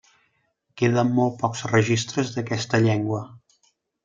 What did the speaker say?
Queden molt pocs registres d'aquesta llengua.